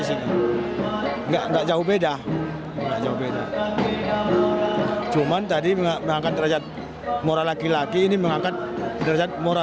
ini enggak jauh beda beda cuman tadi mengangkat rakyat mora lagi lagi ini mengangkat rakyat mora